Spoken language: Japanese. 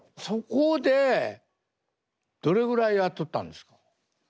そこでどれぐらいやっとったんですか？